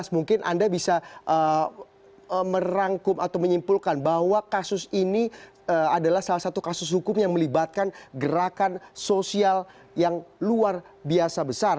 mungkin anda bisa merangkum atau menyimpulkan bahwa kasus ini adalah salah satu kasus hukum yang melibatkan gerakan sosial yang luar biasa besar